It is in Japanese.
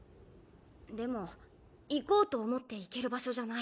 でも行こうと思って行ける場所じゃない。